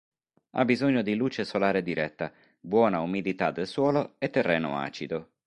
Ha bisogno di luce solare diretta, buona umidità del suolo e terreno acido.